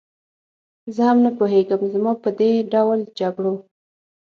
زه هم نه پوهېږم، زما په دې ډول جګړو.